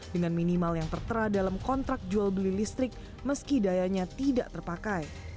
dengan minimal yang tertera dalam kontrak jual beli listrik meski dayanya tidak terpakai